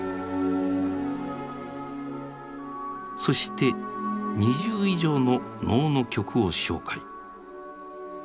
そして２０以上の能の曲を紹介。